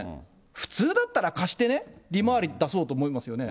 普通だったら貸してね、利回り出そうと思いますよね。